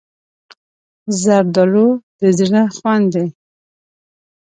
زردالو د زړه خوند دی.